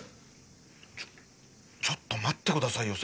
ちょっちょっと待ってくださいよ